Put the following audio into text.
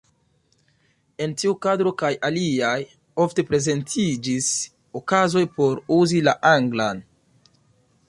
En tiu kadro kaj aliaj, ofte prezentiĝis okazoj por uzi la anglan.